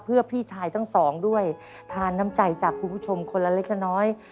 เพื่อพี่ชายทั้งสองด้วยทานน้ำใจจากคุณผู้ชมคนละเล็กละน้อย